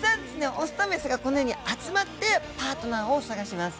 オスとメスがこのように集まってパートナーを探します。